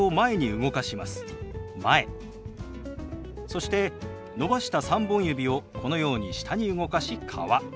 そして伸ばした３本指をこのように下に動かし「川」。